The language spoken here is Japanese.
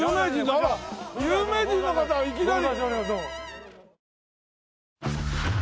あら有名人の方がいきなり。